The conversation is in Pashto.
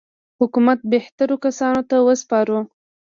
حکومت بهترو کسانو ته وسپارو.